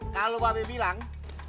kalau mbak be bilang